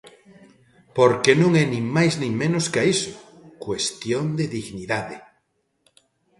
Porque non é nin máis nin menos ca iso: cuestión de dignidade.